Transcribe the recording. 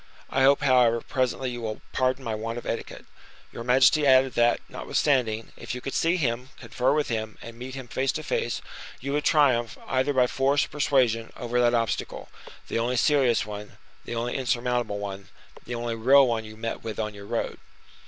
I hope, however, presently you will pardon my want of etiquette. Your majesty added that, notwithstanding, if you could see him, confer with him, and meet him face to face, you would triumph, either by force or persuasion, over that obstacle—the only serious one, the only insurmountable one, the only real one you met with on your road."